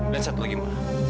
dan satu lagi ma